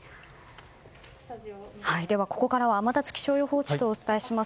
ここからは天達気象予報士とお伝えします。